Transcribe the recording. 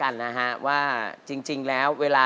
ส่งที่คืน